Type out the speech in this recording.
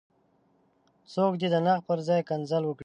څوک دې د نقد پر ځای کنځل وکړي.